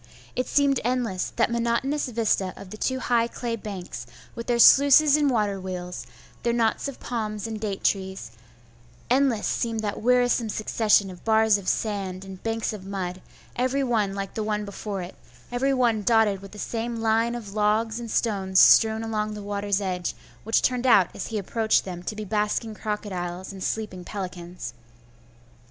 It seemed endless, that monotonous vista of the two high clay banks, with their sluices and water wheels, their knots of palms and date trees; endless seemed that wearisome succession of bars of sand and banks of mud, every one like the one before it, every one dotted with the same line of logs and stones strewn along the water's edge, which turned out as he approached them to be basking crocodiles and sleeping pelicans.